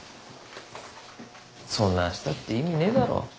そんなんしたって意味ねえだろ。